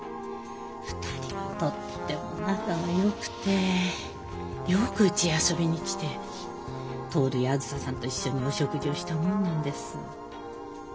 ２人はとっても仲がよくてよくうちへ遊びに来て徹やあづささんと一緒にお食事をしたもんなんです。